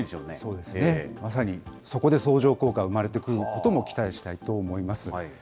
まさに、そこで相乗効果が生まれてくることも期待したいと思います。